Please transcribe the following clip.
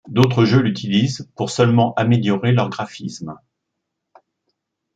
D'autres jeux l'utilisent pour seulement améliorer leurs graphismes.